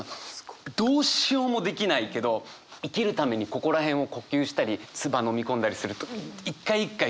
どうしようもできないけど生きるためにここら辺を呼吸したり唾飲み込んだりすると一回一回こうグッと痛い。